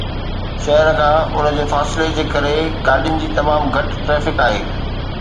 شهر کان ان جي فاصلي جي ڪري، گاڏين جي تمام گهٽ ٽرئفڪ آهي